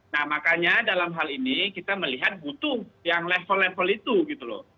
nah makanya dalam hal ini kita melihat butuh yang level level itu gitu loh